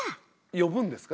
呼ぶんですか？